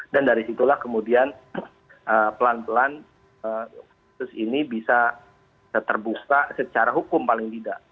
dan dari situlah kemudian pelan pelan kasus ini bisa terbuka secara hukum paling tidak